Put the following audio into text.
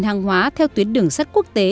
hàng hóa theo tuyến đường sắt quốc tế